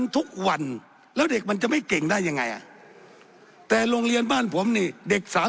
ทุกวันแล้วเด็กมันจะไม่เก่งได้ยังไงแต่โรงเรียนบ้านผมนี่เด็กสาม